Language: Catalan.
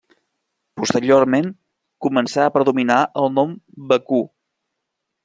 Posteriorment comença a predominar el nom Bakú.